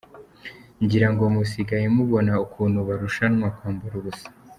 Ngirango musigaye mubona ukuntu barushanwa "kwambara ubusa".